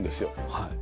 はい。